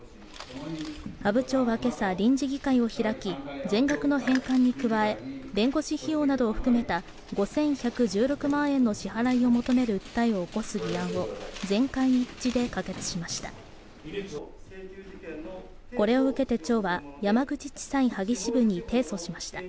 阿武町は今朝、臨時議会を開き全額の返還に加え弁護士費用などを含めた５１１６万円の支払いを求める訴えを起こす議案を全会一致で可決しました。